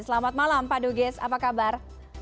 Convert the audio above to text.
selamat malam pak dugis apa kabar